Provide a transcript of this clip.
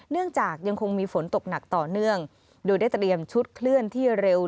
ยังคงมีฝนตกหนักต่อเนื่องโดยได้เตรียมชุดเคลื่อนที่เร็ว